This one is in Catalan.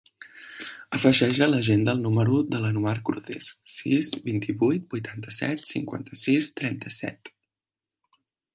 Afegeix a l'agenda el número de l'Anouar Cruces: sis, vint-i-vuit, vuitanta-set, cinquanta-sis, trenta-set.